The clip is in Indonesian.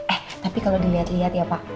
tapi kalau dilihat lihat ya pak